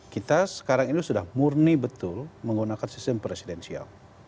kita sekarang ini sudah murni betul menggunakan sistem presidensial